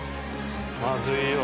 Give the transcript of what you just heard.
まずいよ。